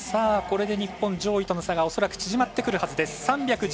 これで日本、上位との差が縮まってくるはずです。